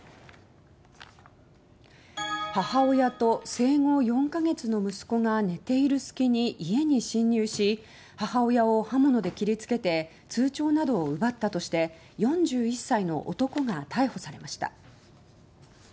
母親と生後４か月の息子が寝ている隙に家に侵入し母親を刃物で切り付けて通帳などを奪ったとして４１歳の男が逮捕されました。